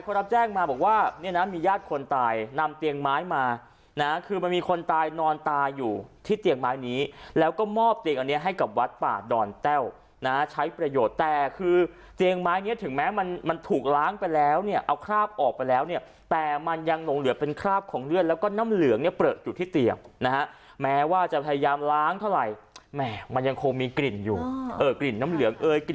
พอรับแจ้งมาบอกว่าเนี่ยนะมีญาติคนตายนำเตียงไม้มานะคือมันมีคนตายนอนตายอยู่ที่เตียงไม้นี้แล้วก็มอบเตียงอันเนี้ยให้กับวัดป่าดอ่อนแต้วนะใช้ประโยชน์แต่คือเตียงไม้เนี้ยถึงแม้มันมันถูกล้างไปแล้วเนี้ยเอาคราบออกไปแล้วเนี้ยแต่มันยังลงเหลือเป็นคราบของเลือดแล้วก็น้ำเหลืองเนี้ยเปิดอยู่ที่เ